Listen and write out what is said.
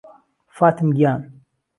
فاتم گیان